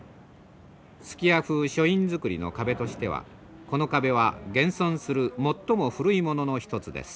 数寄屋風書院造りの壁としてはこの壁は現存する最も古いものの一つです。